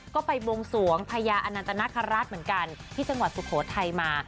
ก็ไปบวงสวงพญาอนันตนาคาราชเหมือนกันที่จังหวัดสุโขทัยมา